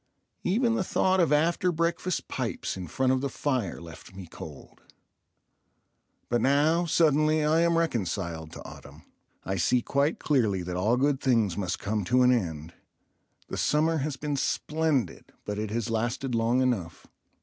Even the thought of after breakfast pipes in front of the fire left me cold. But now, suddenly, I am reconciled to autumn. I see quite clearly that all good things must come to an end. The summer has been splendid, but it has lasted long enough.